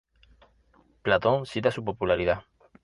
Platón cita su popularidad.